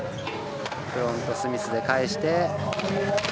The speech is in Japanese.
フロントスミスで返して。